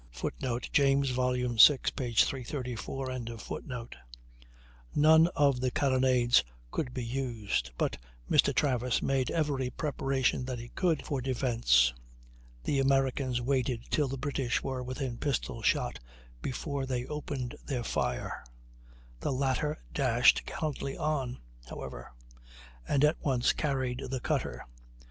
[Footnote: James, vi. 334.] None of the carronades could be used; but Mr. Travis made every preparation that he could for defence. The Americans waited till the British were within pistol shot before they opened their fire; the latter dashed gallantly on, however, and at once carried the cutter.